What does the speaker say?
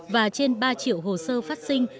và trên ba triệu hồ sơ phát sinh